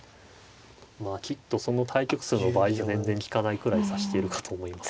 まあきっとその対局数の倍じゃ全然きかないくらい指しているかと思います。